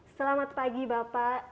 selamat pagi bapak